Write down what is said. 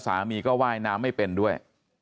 สามีก็ว่ายน้ำไม่เป็นด้วย